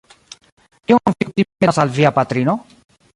Kion vi kutime donas al via patrino?